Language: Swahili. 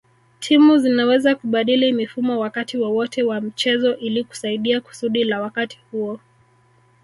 Timu zinaweza kubadili mifumo wakati wowote wa mchezo ilikusaidia kusudi la wakati huo